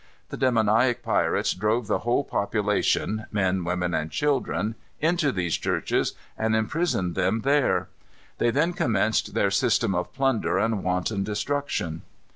The demoniac pirates drove the whole population, men, women, and children, into these churches, and imprisoned them there. They then commenced their system of plunder and wanton destruction.